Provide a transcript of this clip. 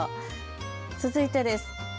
続いてです。